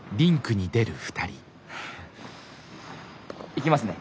行きますね。